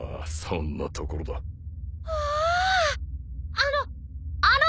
あのあの！